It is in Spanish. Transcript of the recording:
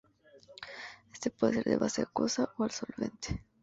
Este puede ser de base acuosa o al solvente.